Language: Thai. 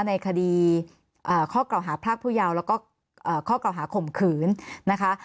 ในคดีข้อกล่าวหาพรากผู้ยาวแล้วก็ข้อกล่าวหาข่มขืนนะคะ